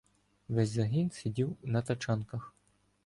Весь загін сидів на тачанках.